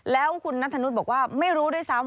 แล้วคุณนัทธนุษย์บอกว่าไม่รู้ด้วยซ้ำ